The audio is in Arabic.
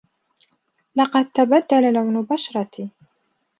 لقد تبدّل لون بشرتي.